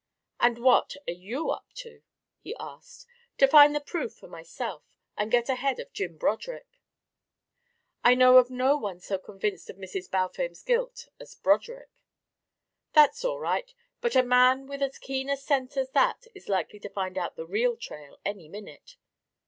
"And what are you up to?" he asked. "To find the proof for myself, and get ahead of Jim Broderick." "I know of no one so convinced of Mrs. Balfame's guilt as Broderick." "That's all right, but a man with as keen a scent as that is likely to find the real trail any minute."